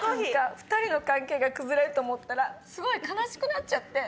２人の関係が崩れると思ったらすごい悲しくなっちゃって。